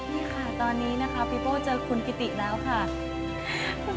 นี่ค่ะตอนนี้นะคะพี่โป้เจอคุณกิติแล้วค่ะ